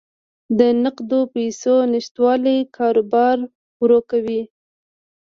د نقدو پیسو نشتوالی کاروبار ورو کوي.